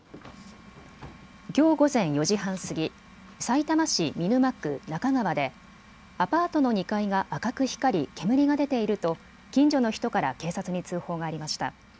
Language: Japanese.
きょう午前４時半過ぎ、さいたま市見沼区中川でアパートの２階が赤く光り、煙が出ていると近所の人から警察に通報がありました。